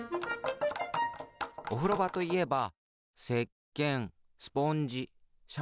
おふろばといえばせっけんスポンジシャンプー。